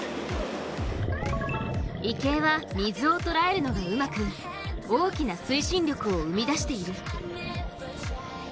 池江は水を捉えるのがうまく大きな推進力を生み出している。